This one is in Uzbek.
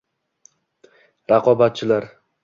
Raqobatchilar